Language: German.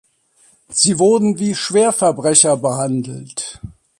Sie wurden wie Schwerverbrecher behandelt.